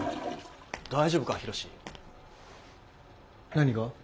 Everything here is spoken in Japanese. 何が？